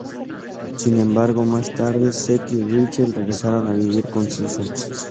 Sin embargo más tarde Zeke y Rachel regresaron a vivir con Susan.